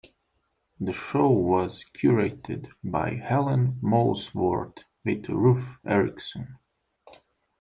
The show was curated by Helen Molesworth with Ruth Erickson.